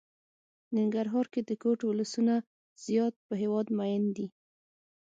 ننګرهار کې د کوټ ولسونه زيات په هېواد ميئن دي.